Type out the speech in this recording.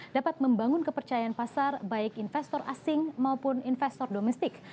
dapat membangun kepercayaan pasar baik investor asing maupun investor domestik